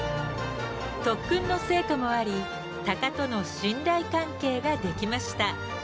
特訓の成果もあり鷹との信頼関係が出来ました。